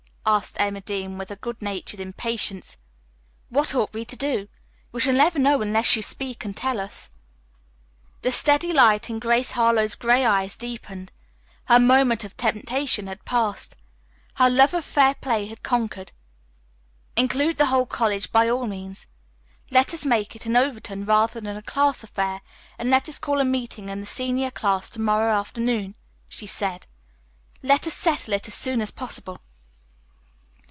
asked Emma Dean with good natured impatience. "What ought we to do? We shall never know unless you speak and tell us." The steady light in Grace Harlowe's gray eyes deepened. Her moment of temptation had passed. Her love of fair play had conquered. "Include the whole college, by all means. Let us make it an Overton rather than a class affair, and let us call a meeting of the senior class to morrow afternoon," she said. "Let us settle it as soon as possible."